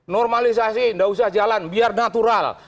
normalisasi tidak usah jalan biar natural